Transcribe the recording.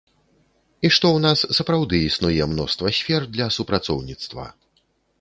І што ў нас сапраўды існуе мноства сфер для супрацоўніцтва.